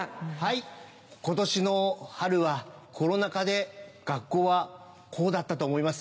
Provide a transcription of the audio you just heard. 今年の春はコロナ禍で学校はこうだったと思います。